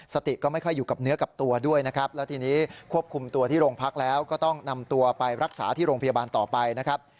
สติก็ไม่ค่อยอยู่กับเนื้อกับตัวด้วยนะครับแล้วทีนี้ควบคุมตัวที่โรงพักแล้วก็ต้องนำตัวไปรักษาที่โรงพยาบาลต่อไปนะครับ